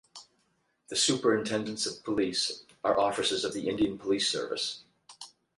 The Superintendents of Police are officers of the Indian Police Service.